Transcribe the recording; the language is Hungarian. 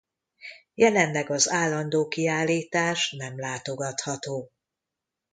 Jelenleg az állandó kiállítás nem látogatható.